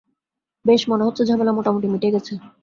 বেশ, মনে হচ্ছে ঝামেলা মোটামুটি মিটে গেছে।